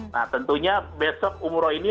nah tentunya besok umroh ini